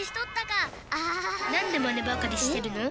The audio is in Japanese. なんでマネばかりしてるの？